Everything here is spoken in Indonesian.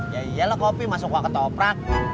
ya iyalah kopi masuk wah ketoprak